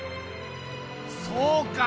そうか！